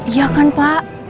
iya kan pak